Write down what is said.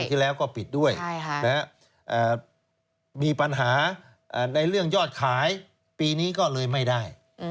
ที่แล้วก็ปิดด้วยมีปัญหาในเรื่องยอดขายปีนี้ก็เลยไม่ได้